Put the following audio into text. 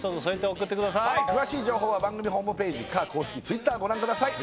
はい詳しい情報は番組ホームページか公式Ｔｗｉｔｔｅｒご覧ください